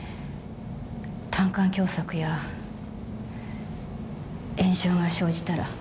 胆管狭窄や炎症が生じたら。